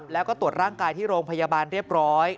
แล้วก็ตรวจร่างกายที่โรงพยาบาลเรียบร้อย